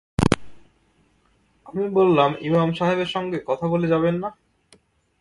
আমি বললাম, ইমাম সাহেবের সঙ্গে কথা বলে যাবেন না?